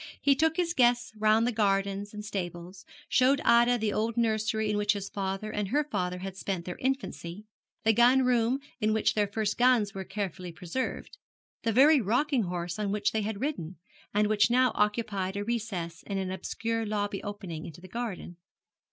He took his guests round the gardens and stables, showed Ida the old nursery in which his father and her father had spent their infancy; the gun room in which their first guns were carefully preserved; the very rocking horse on which they had ridden, and which now occupied a recess in an obscure lobby opening into the garden.